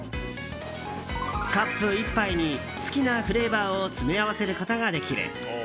カップ１杯に好きなフレーバーを詰め合わせることができる。